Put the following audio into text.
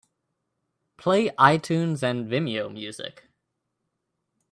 Play itunes and Vimeo music